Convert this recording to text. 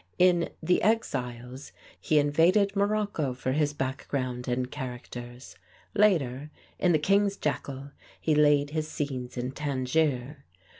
In "The Exiles" he invaded Morocco for his background and characters. Later, in "The King's Jackal," he laid his scenes in Tangier.